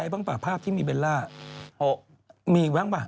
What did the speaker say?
เอาอีกแล้วนะ